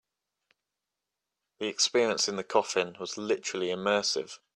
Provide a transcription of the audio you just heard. The experience in the coffin was literally immersive.